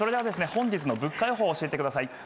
本日の物価予報教えてください。